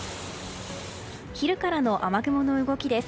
昼からの雨雲の動きです。